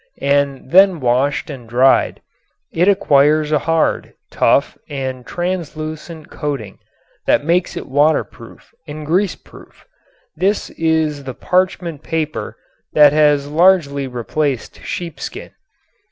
and then washed and dried it acquires a hard, tough and translucent coating that makes it water proof and grease proof. This is the "parchment paper" that has largely replaced sheepskin.